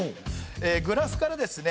グラフからですね